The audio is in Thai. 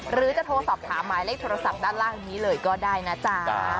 หรือจะโทรสอบถามหมายเลขโทรศัพท์ด้านล่างนี้เลยก็ได้นะจ๊ะ